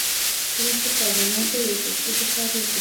وروسته پارلمان ته د تصویب لپاره ځي.